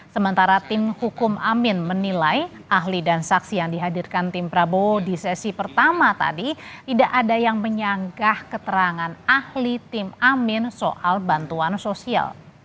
sementara tim hukum amin menilai ahli dan saksi yang dihadirkan tim prabowo di sesi pertama tadi tidak ada yang menyangka keterangan ahli tim amin soal bantuan sosial